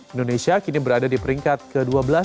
indonesia kini berada di peringkat ke dua belas